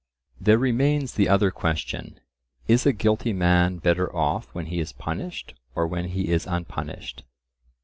There remains the other question: Is a guilty man better off when he is punished or when he is unpunished?